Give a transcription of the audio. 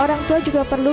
pertanyaan dari penulis